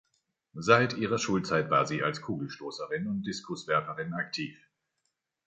Seit ihrer Schulzeit war sie als Kugelstoßerin und Diskuswerferin aktiv.